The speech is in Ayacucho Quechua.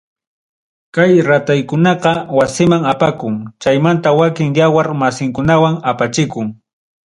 Kay rataykunaqa wasiman apakun, chaymanta wakin yawar masinkunaman apachikun.